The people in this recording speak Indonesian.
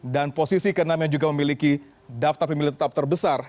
dan posisi ke enam yang juga memiliki daftar pemilih tetap terbesar